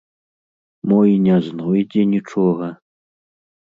Мо й не знойдзе нічога?